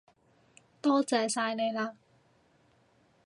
多謝晒你喇